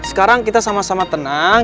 sekarang kita sama sama tenang